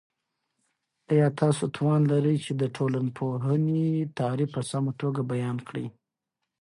آیا تاسو توان لرئ چې د ټولنپوهنې تعریف په سمه توګه بیان کړئ؟